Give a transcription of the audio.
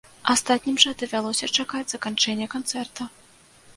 Астатнім жа давялося чакаць заканчэння канцэрта.